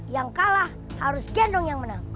yang kalah harus gendong yang menang